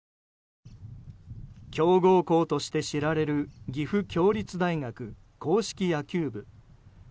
強豪校として知られる岐阜協立大学硬式野球部。